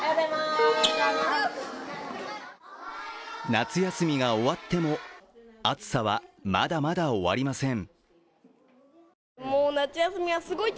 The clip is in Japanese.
夏休みが終わっても暑さはまだまだ終わりません。